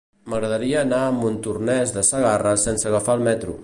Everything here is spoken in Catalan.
M'agradaria anar a Montornès de Segarra sense agafar el metro.